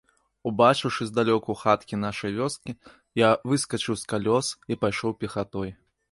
Убачыўшы здалёку хаткі нашай вёскі, я выскачыў з калёс і пайшоў пехатой.